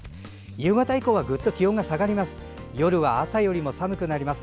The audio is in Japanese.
夕方以降はぐっと気温が下がります。